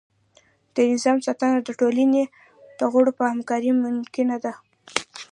د نظام ساتنه د ټولنې د غړو په همکارۍ ممکنه وه.